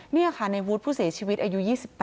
นี่ค่ะในวุฒิผู้เสียชีวิตอายุ๒๘